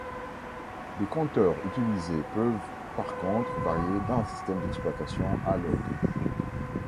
Les compteurs utilisés peuvent par contre varier d'un système d'exploitation à l'autre.